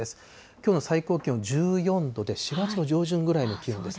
きょうの最高気温１４度で、４月の上旬ぐらいの気温です。